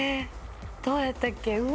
どうやったっけうわ